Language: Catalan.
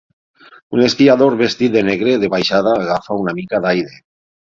Un esquiador vestit de negre de baixada agafa una mica d'aire